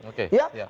aset aset dia pulang